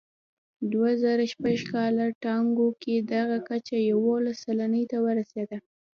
دوه زره شپږ کال ټاکنو کې دغه کچه یوولس سلنې ته ورسېده.